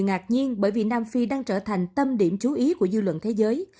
ngạc nhiên bởi vì nam phi đang trở thành tâm điểm chú ý của dư luận thế giới